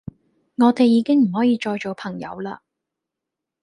我哋已經唔可以再做朋友啦